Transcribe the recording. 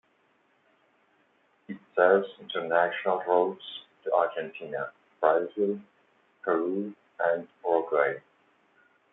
It serves international routes to Argentina, Brazil, Peru and Uruguay.